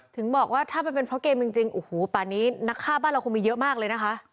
ถึงบอกว่าถ้ามันเป็นเพราะเกมจริงโอ้โหป่านี้นักฆ่าบ้านเราคงมีเยอะมากเลยนะคะ